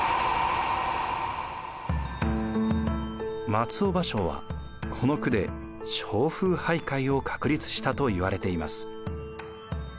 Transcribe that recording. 松尾芭蕉はこの句で蕉風俳諧を確立したといわれています。